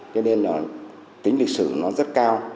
cho nên là tính lịch sử nó rất cao